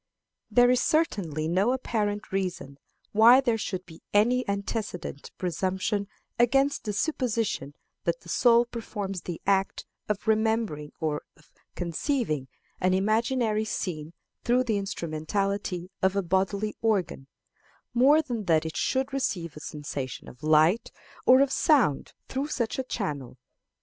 There is certainly no apparent reason why there should be any antecedent presumption against the supposition that the soul performs the act of remembering or of conceiving an imaginary scene through the instrumentality of a bodily organ, more than that it should receive a sensation of light or of sound through such a channel.